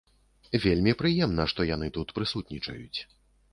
Вельмі прыемна, што яны тут прысутнічаюць.